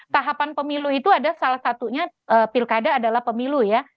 tahapan pemilu itu ada salah satunya pilkada adalah pemilu ya